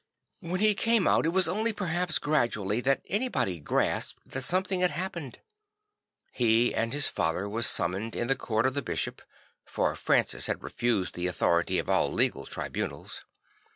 When he came out, it was only perhaps gradually that anybody grasped that something had happened. He and his father were sum moned in the court of the bishop; for Francis had refused the authority of all legal tribunals.